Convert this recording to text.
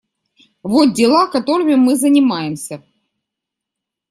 Вот дела, которыми мы занимаемся.